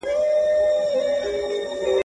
صحرايي چي ورته وکتل حیران سو.